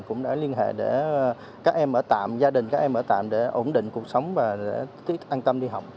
cũng đã liên hệ để các em ở tạm gia đình các em ở tạm để ổn định cuộc sống và an tâm đi học